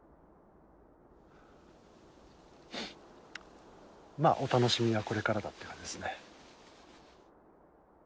まあお楽しみはこれからだって感じですね。